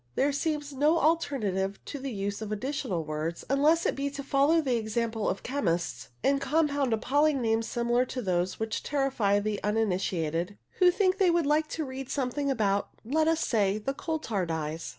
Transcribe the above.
There seems no alternative to the use of additional words, unless it be to follow the example of chemists, and compound appalling names similar to those which terrify the uninitiated who think they would like to read something about, let us say, the coal tar dyes.